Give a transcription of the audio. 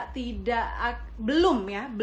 belum ya belum mengikuti atau belum melaksanakan aturan psbb